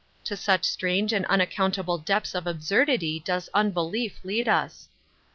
To such strange and unaccountable depths of absurdity does unbelief lead us !